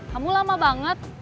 kamu lama banget